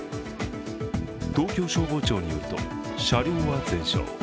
東京消防庁によると車両は全焼。